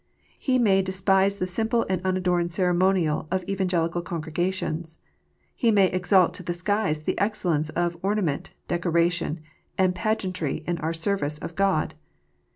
He may despise the simple and unadorned ceremonial of Evangelical congregations. He may exalt to the skies the excellence of ornament, decoration, and pageantry in our service of God.